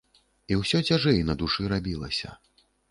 І ўсё цяжэй на душы рабілася.